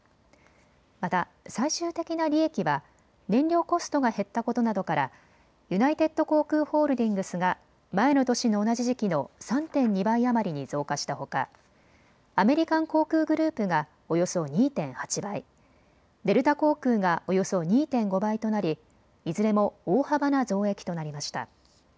また最終的な利益は燃料コストが減ったことなどからユナイテッド航空ホールディングスが前の年の同じ時期の３．２倍余りに増加したほかアメリカン航空グループがおよそ２．８倍、デルタ航空がおよそ２．５倍となりいずれも大幅な増益となりました。